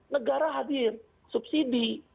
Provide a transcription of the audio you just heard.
negara hadir subsidi